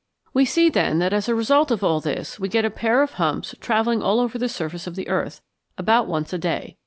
We see, then, that as a result of all this we get a pair of humps travelling all over the surface of the earth, about once a day.